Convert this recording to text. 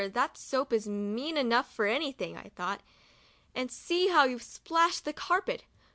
that soap is mean enough for anything,* I thought), and see how you've splashed the carpet